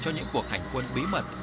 cho những cuộc hành quân bí mật